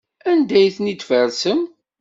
Anda ay ten-id-tfarsem?